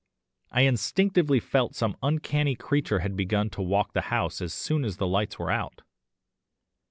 I instinctively felt some uncanny creature had begun to walk the house as soon as the lights were out.